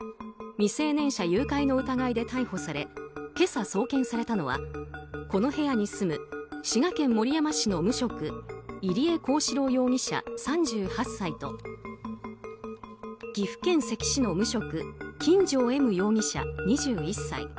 未成年者誘拐の疑いで逮捕され今朝、送検されたのはこの部屋に住む滋賀県守山市の無職入江公史郎容疑者、３８歳と岐阜県関市の無職金城え夢容疑者、２１歳。